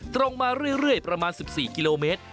ตรงมาเรื่อยประมาณ๑๔กิโลเมตร